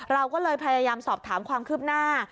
เราก็เลยพยายามสอบถามความคืบหน้า